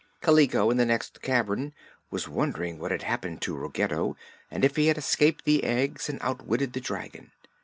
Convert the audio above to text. Kaliko, in the next cavern, was wondering what had happened to Ruggedo and if he had escaped the eggs and outwitted the dragon.